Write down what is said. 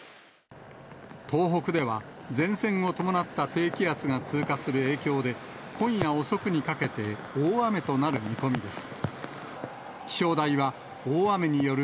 東北では前線を伴った低気圧が通過する影響で、今夜遅くにかけて、大雨となる見込みです。